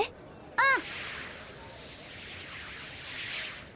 うん？